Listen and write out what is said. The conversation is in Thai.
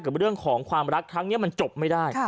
กับเรื่องของความรักครั้งนี้มันจบไม่ได้